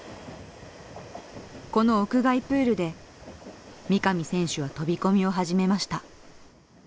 この屋外プールで三上選手は飛び込みを始めました。